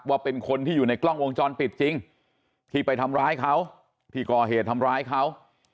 ว่าเป็นคนที่อยู่ในกล้องวงจรปิดจริงที่ไปทำร้ายเขาที่ก่อเหตุทำร้ายเขา